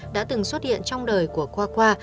đã từng xuất hiện trong đời của qua qua